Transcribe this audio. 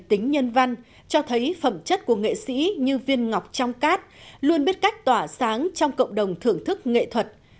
tính nhân văn cho thấy phẩm chất của nghệ sĩ như viên ngọc trong cát luôn biết cách tỏa sáng trong cộng đồng thưởng thức nghệ thuật